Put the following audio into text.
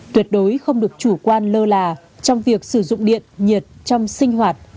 tuyệt đối không được chủ quan lơ là trong việc sử dụng điện nhiệt trong sinh hoạt